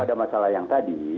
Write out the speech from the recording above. ada masalah yang tadi